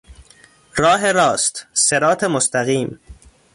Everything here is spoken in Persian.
راه راست، صراط مستقیم